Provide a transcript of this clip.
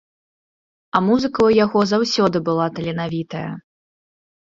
А музыка ў яго заўсёды была таленавітая.